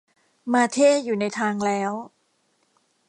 มาเธ่อยู่ในทางแล้ว